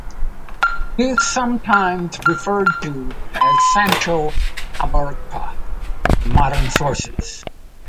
He is sometimes referred to as Sancho "Abarca" by modern sources.